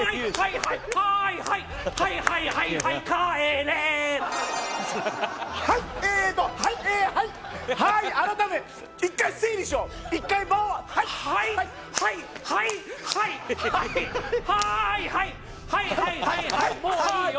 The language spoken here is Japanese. はいはいはいはいもういいよ。